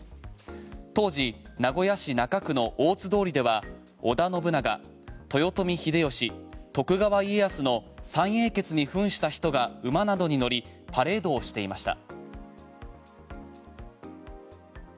当時、名古屋市中区の大津通では織田信長、豊臣秀吉徳川家康の三英傑に扮した人が馬などに乗りパレードをしていました。